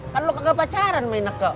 kan lo kagak pacaran main neke